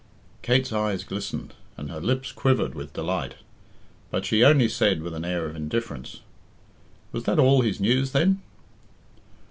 Kate's eyes glistened, and her lips quivered with delight; but she only said, with an air of indifference, "Was that all his news, then?"